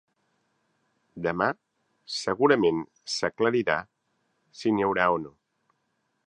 Demà, segurament, s’aclarirà si n’hi haurà o no.